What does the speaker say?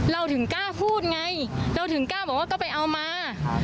เราถึงกล้าพูดไงเราถึงกล้าบอกว่าก็ไปเอามา